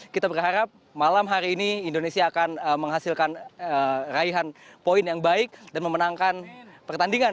kita berharap malam hari ini indonesia akan menghasilkan raihan poin yang baik dan memenangkan pertandingan